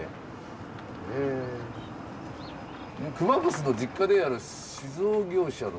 「熊楠の実家である酒造業者」の。